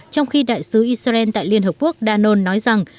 trong khi đại sứ israel tại liên hợp quốc danoon nói rằng